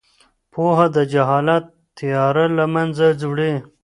پوهه د جهالت تیاره له منځه وړي.